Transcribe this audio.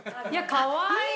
かわいい！